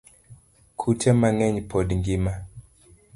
Kute mangeny pod ngima